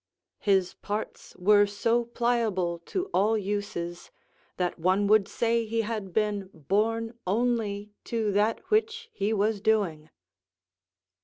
["His parts were so pliable to all uses, that one would say he had been born only to that which he was doing."